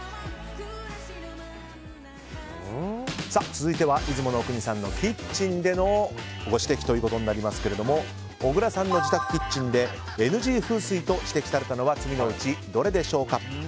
続いては出雲阿国さんのキッチンでのご指摘となりますが小倉さんのキッチンでＮＧ風水と指摘されたのは次のうち、どれでしょうか。